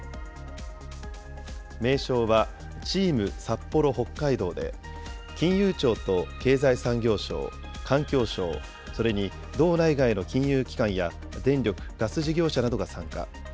名称は、ＴｅａｍＳａｐｐｏｒｏ―Ｈｏｋｋａｉｄｏ金融庁と経済産業省、環境省、それに道内外の金融機関や電力・ガス事業者などが参加。